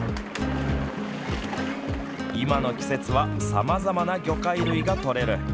今の季節はさまざまな魚介類が取れる。